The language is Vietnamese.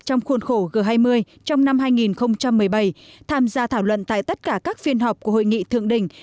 trong khuôn khổ g hai mươi trong năm hai nghìn một mươi bảy tham gia thảo luận tại tất cả các phiên họp của hội nghị thượng đỉnh